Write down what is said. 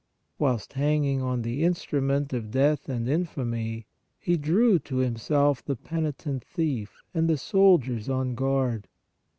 Whilst hanging on the instrument of death and infamy, He drew to Himself the peni tent thief and the soldiers on guard.